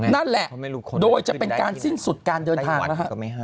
นั่นแหละโดยจะเป็นการสิ้นสุดการเดินทางนะฮะ